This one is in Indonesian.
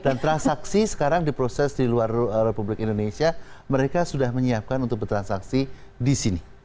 transaksi sekarang diproses di luar republik indonesia mereka sudah menyiapkan untuk bertransaksi di sini